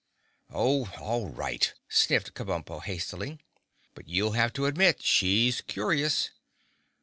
"Oh, all right," sniffed Kabumpo hastily. "But you'll have to admit she's curious."